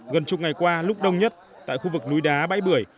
gần chục ngày qua lúc đông nhất tại khu vực núi đá bãi bưởi